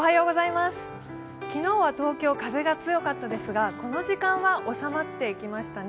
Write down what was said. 昨日は東京、風が強かったですが、この時間は収まってきましたね。